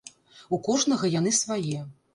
У кожнага яны свае.